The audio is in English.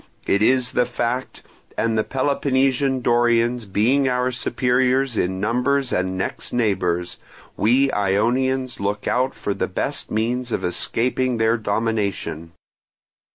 It is the fact; and the Peloponnesian Dorians being our superiors in numbers and next neighbours, we Ionians looked out for the best means of escaping their domination.